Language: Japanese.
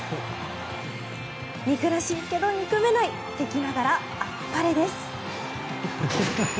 憎らしいけど憎めない敵ながらあっぱれです。